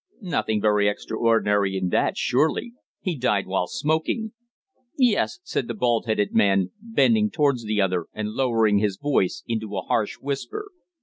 "Nothing very extraordinary in that, surely? He died while smoking." "Yes," said the bald headed man, bending towards the other and lowering his voice into a harsh whisper.